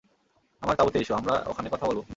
আমার তাঁবুতে এসো, আমরা ওখানে কথা বলব।